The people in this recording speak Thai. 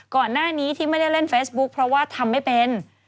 ก่อนหน้านี้ที่ไม่ได้เล่นเฟซบุ๊คเพราะว่าทำไม่เป็น